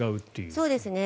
そうですね。